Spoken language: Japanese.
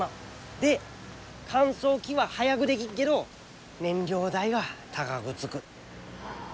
で乾燥機は早ぐでぎっけど燃料代が高ぐつく。